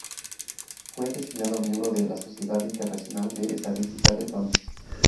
Fue designado miembro de la Sociedad Internacional de Estadística de Londres.